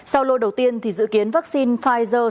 sau lô đầu tiên thì dự kiến vaccine pfizer